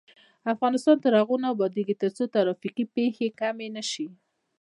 افغانستان تر هغو نه ابادیږي، ترڅو ترافیکي پیښې کمې نشي.